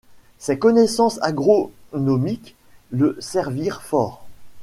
Ses connaissances agronomiques le servirent fort.